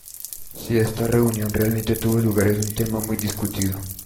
Si esta reunión realmente tuvo lugar es un tema muy discutido.